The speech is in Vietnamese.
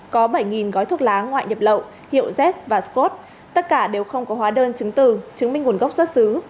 có bảy gói thuốc lá ngoại nhập lậu hiệu z và scott tất cả đều không có hóa đơn chứng từ chứng minh nguồn gốc xuất xứ